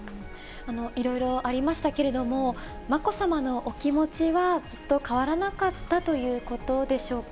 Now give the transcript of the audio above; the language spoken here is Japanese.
いろいろありましたけれども、まこさまのお気持ちはずっと変わらなかったということでしょうか。